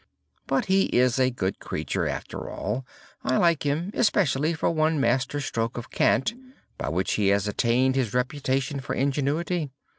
But he is a good creature after all. I like him especially for one master stroke of cant, by which he has attained his reputation for ingenuity.